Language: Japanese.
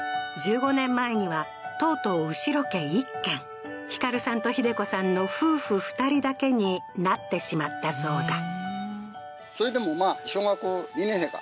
１５年前にはとうとう後呂家１軒光さんと秀子さんの夫婦２人だけになってしまったそうだ